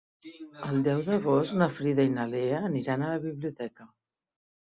El deu d'agost na Frida i na Lea aniran a la biblioteca.